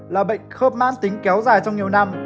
là bệnh khớp man tính kéo dài trong nhiều năm